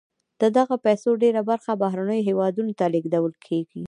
د دغه پیسو ډیره برخه بهرنیو هېوادونو ته لیږدول کیږي.